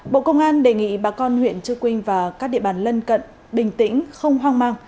bộ công an đề nghị bà con huyện chư quynh và các địa bàn lân cận bình tĩnh không hoang mang